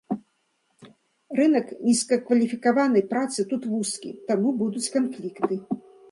Рынак нізкакваліфікаванай працы тут вузкі, таму будуць канфлікты.